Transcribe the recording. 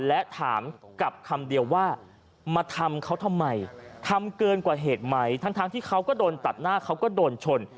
และถามกับคำเดียวว่ามาทำเขาทำไมทำเกินกว่าเหตุไหมทั้งที่เขาก็โดนตัดหน้าเขาก็โดนชน